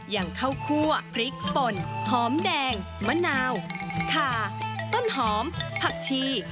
อย่างข้าวคั่วพริกป่นหอมแดงมะนาวขาต้นหอมผักชี